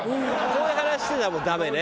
こういう話してたらもうダメね。